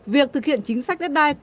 việc thực hiện chính sách deadline